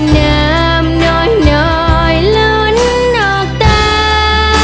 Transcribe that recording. น้ำหน่อยหน่อยหลุ้นออกตา